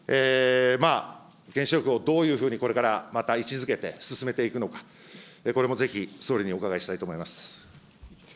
原子力をどういうふうにこれからまた位置づけて進めていくのか、これもぜひ総理にお伺いしたいと思います。